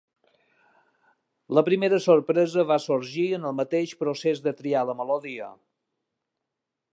La primera sorpresa va sorgir en el mateix procés de triar la melodia.